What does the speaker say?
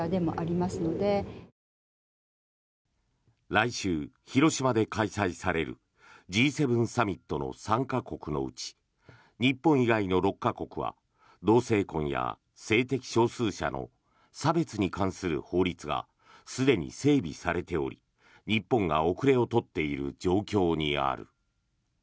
来週、広島で開催されるＧ７サミットの参加国のうち日本以外の６か国は同性婚や性的少数者の差別に関する法律がすでに整備されており日本が後れを取っている状況にある。